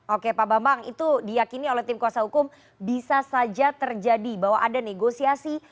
oke pak bambang itu diakini oleh tim kuasa hukum bisa saja terjadi bahwa ada negosiasi